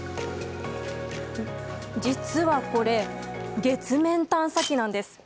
実はこれ、月面探査機なんです。